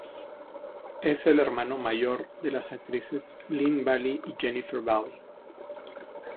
Es el hermano mayor de las actrices Lynne Valley y Jennifer Valley.